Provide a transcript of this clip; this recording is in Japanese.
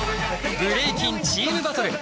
ブレイキンチームバトル。